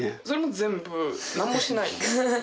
それも全部なんもしないんで。